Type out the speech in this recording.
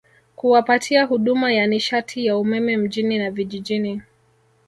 kuwapatia huduma ya nishati ya umeme mjini na vijijini